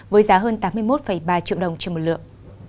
với giá hơn tám mươi một ba triệu đồng trên một lượng